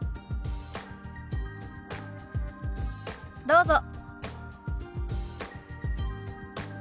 どうぞ。